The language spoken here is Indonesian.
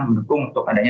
mendukung untuk adanya